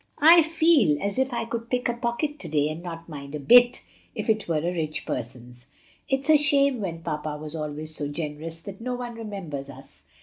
"I feel as if I could pick a pocket to day and not mind a bit, if it were a rich person's. It's a shame, when papa was always so generous, that no one remembers us.